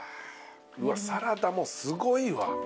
サラダもすごいわ。